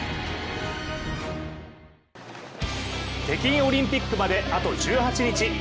北京オリンピックまであと１８日。